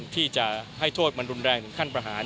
ที่จะให้โทษมันรุนแรงถึงขั้นประหาร